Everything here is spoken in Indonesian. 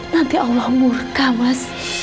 nanti allah murka mas